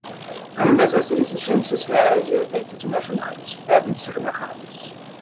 Ambas as experiências reais e eventos imaginários podem ser narrados.